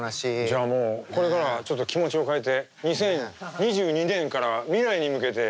じゃもうこれからはちょっと気持ちを変えて２０２２年から未来に向けて。